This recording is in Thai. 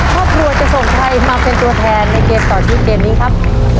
ครอบครัวจะส่งใครมาเป็นตัวแทนในเกมต่อชีวิตเกมนี้ครับ